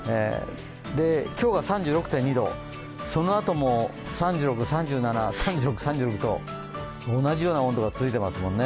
今日が３６．２度、そのあとも３６、３７、３６、３６と同じような温度が続いていますもんね。